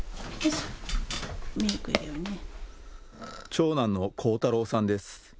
長男の光太郎さんです。